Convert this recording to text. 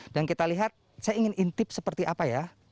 dan kita lihat saya ingin intip seperti apa ya